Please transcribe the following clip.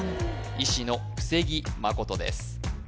医師の布施木誠です